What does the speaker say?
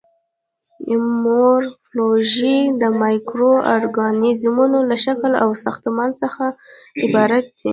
مورفولوژي د مایکرو ارګانیزمونو له شکل او ساختمان څخه عبارت دی.